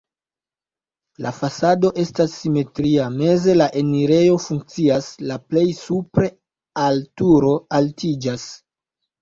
La fasado estas simetria, meze la enirejo funkcias, la plej supre al turo altiĝas.